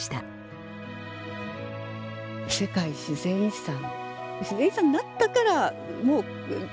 世界自然遺産。